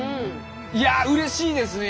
いやあうれしいですね！